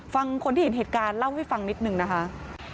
ฟังคนที่เห็นเหตุการณ์เล่าให้ฟังนิดหนึ่งนะคะ